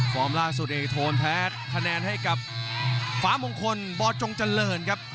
ฟอร์มล่างสุดเอกโทนแพทย์คะแนนให้กับฟ้ามงคลบอร์ดจงจันเริ่นครับ